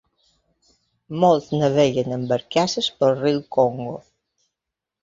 Molts naveguen en barcasses pel riu Congo.